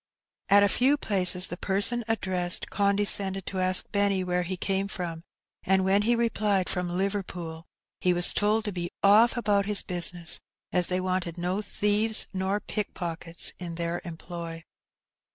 At a few places the person ad dressed condescended to ask Benny where he came fipom, and when he replied "from Liverpool," he was told to be oflF about his business, as they wanted no thieves nor pick pockets in their employ.